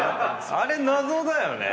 あれ謎だよね。